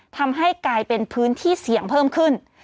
ทำให้กลายเป็นพื้นที่เสี่ยงเพิ่มขึ้น